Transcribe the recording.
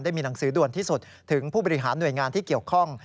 มีหนังสือด่วนที่สุดถึงผู้บริหารหน่วยงานที่เกี่ยวข้อง